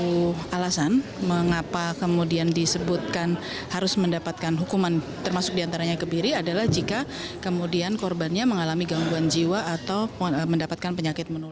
salah satu alasan mengapa kemudian disebutkan harus mendapatkan hukuman termasuk diantaranya kebiri adalah jika kemudian korbannya mengalami gangguan jiwa atau mendapatkan penyakit menular